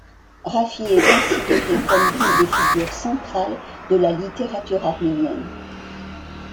Raffi est considéré comme l'une des figures centrales de la littérature arménienne.